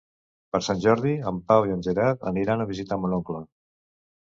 Per Sant Jordi en Pau i en Gerard aniran a visitar mon oncle.